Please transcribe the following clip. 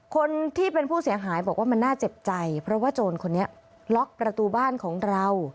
คนที่เป็นผู้เสียหายบอกว่ามันน่าเจ็บใจเพราะว่าโจรคนนี้ล็อกประตูบ้านของเรา